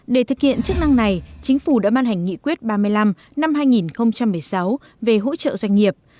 để thực hiện chức năng này chính phủ đã ban hành nghị quyết ba mươi năm năm hai nghìn một mươi sáu về hỗ trợ doanh nghiệp